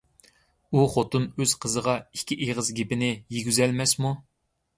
ئۇ خوتۇن ئۆز قىزىغا ئىككى ئېغىز گېپىنى يېگۈزەلمەسمۇ؟